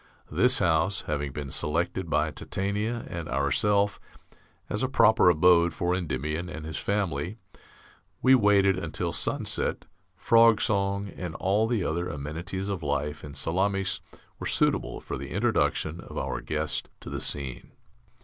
This house, having been selected by Titania and ourself as a proper abode for Endymion and his family, we waited until sunset, frogsong, and all the other amenities of life in Salamis were suitable for the introduction of our guest to the scene.